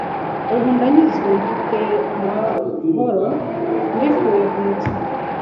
ubu ndanyuzwe mfite amahoro , mbikuye kumutima